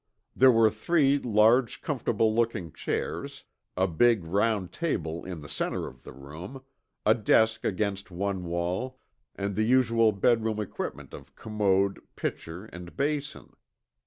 There were three large comfortable looking chairs, a big round table in the center of the room, a desk against one wall, and the usual bedroom equipment of commode, pitcher, and basin.